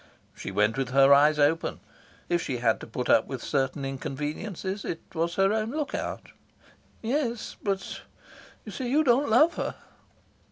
"She went with her eyes open. If she had to put up with certain inconveniences it was her own lookout." "Yes; but, you see, you don't love her."